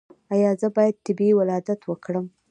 ایا زه باید طبیعي ولادت وکړم؟